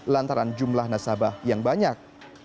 lantaran jumlah nasabah yang banyak